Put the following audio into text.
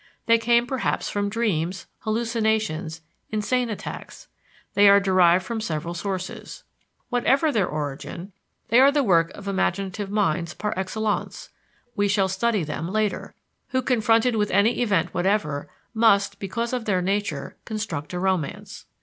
They came perhaps from dreams, hallucinations, insane attacks they are derived from several sources. Whatever their origin, they are the work of imaginative minds par excellence (we shall study them later) who, confronted with any event whatever, must, because of their nature, construct a romance.